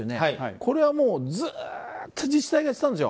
これはずっと自治体がやってたんですよ。